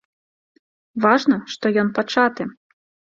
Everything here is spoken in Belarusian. Важна, што ён пачаты.